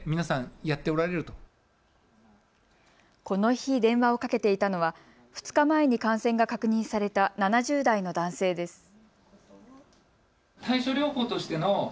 この日、電話をかけていたのは２日前に感染が確認された７０代の男性です。